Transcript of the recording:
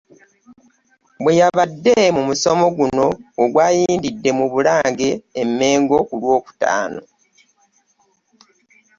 Bwe yabadde mu musomo guno ogwayindidde mu Bulange e Mmengo ku Lwokutaano